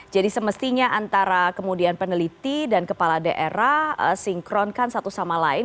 jadi semestinya antara kemudian peneliti dan kepala daerah sinkronkan satu sama lain